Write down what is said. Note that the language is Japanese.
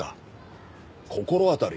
心当たり。